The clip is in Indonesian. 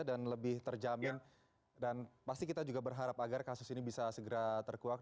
dan lebih terjamin dan pasti kita juga berharap agar kasus ini bisa segera terkuat